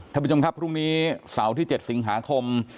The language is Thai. ท่านผู้ชมครับพรุ่งนี้เสาร์ที่๗สิงหาคม